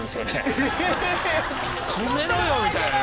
止めろよ！みたいな。